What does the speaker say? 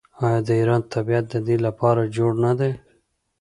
آیا د ایران طبیعت د دې لپاره جوړ نه دی؟